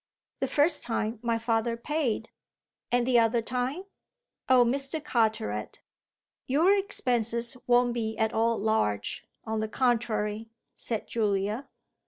"The first time my father paid." "And the other time?" "Oh Mr. Carteret." "Your expenses won't be at all large; on the contrary," said Julia.